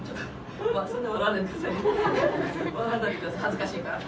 恥ずかしいから。